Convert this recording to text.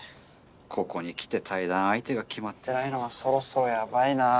ここにきて対談相手が決まってないのはそろそろヤバいなぁ。